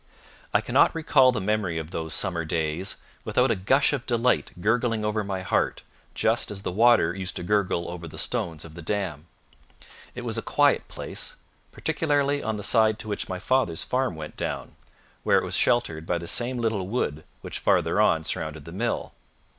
I cannot recall the memory of those summer days without a gush of delight gurgling over my heart, just as the water used to gurgle over the stones of the dam. It was a quiet place, particularly on the side to which my father's farm went down, where it was sheltered by the same little wood which farther on surrounded the mill.